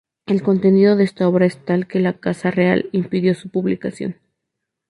El contenido de esta obra es tal que la Casa Real impidió su publicación.